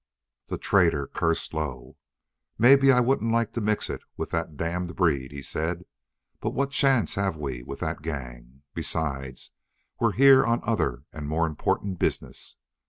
The trader cursed low. "Maybe I wouldn't like to mix it with that damned breed," he said. "But what chance have we with that gang? Besides, we're here on other and more important business.